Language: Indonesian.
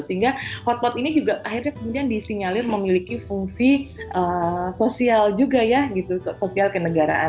sehingga hotpot ini juga akhirnya kemudian disinyalir memiliki fungsi sosial juga ya gitu sosial kenegaraan